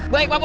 baik pak bos